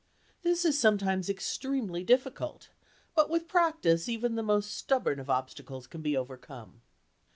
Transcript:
This is sometimes extremely difficult, but with practice even the most stubborn of obstacles can be overcome.